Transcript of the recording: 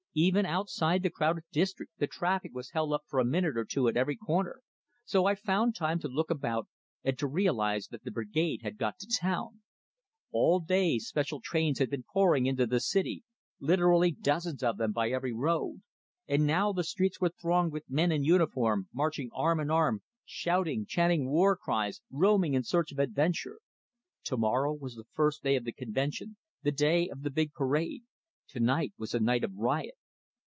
Even outside the crowded district, the traffic was held up for a minute or two at every corner; so I found time to look about, and to realize that the Brigade had got to town. All day special trains had been pouring into the city, literally dozens of them by every road; and now the streets were thronged with men in uniform, marching arm in arm, shouting, chanting war cries, roaming in search of adventure. Tomorrow was the first day of the convention, the day of the big parade: tonight was a night of riot.